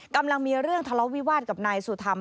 กำลังมีเรื่องทะเลาะวิวาสกับนายสุธรรม